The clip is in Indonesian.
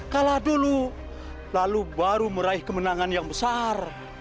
kala dulu baru meraih kemenangan yang besar